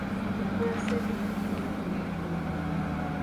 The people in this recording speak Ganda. Yakola ssente nyingi nnyo ku lunaku olwo!